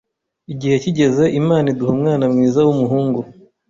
igihe kigeze Imana iduha umwana mwiza w’umuhungu